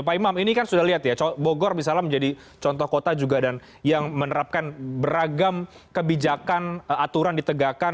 pak imam ini kan sudah lihat ya bogor misalnya menjadi contoh kota juga dan yang menerapkan beragam kebijakan aturan ditegakkan